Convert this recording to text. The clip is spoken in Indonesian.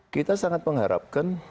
kita sangat mengharapkan